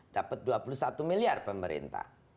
dapat dua puluh satu miliar pemerintah